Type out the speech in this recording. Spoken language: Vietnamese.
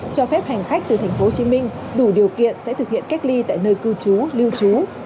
cho phép hành khách từ thành phố hồ chí minh đủ điều kiện sẽ thực hiện cách ly tại nơi cư trú lưu trú